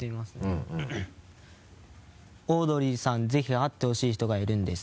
オードリーさん、ぜひ会ってほしい人がいるんです。